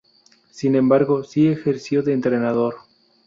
Sin embargo, si ejerció de entrenador.